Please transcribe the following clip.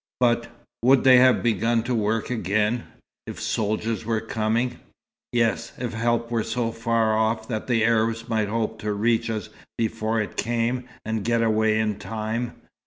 "But would they have begun to work again, if soldiers were coming?" "Yes, if help were so far off that the Arabs might hope to reach us before it came, and get away in time.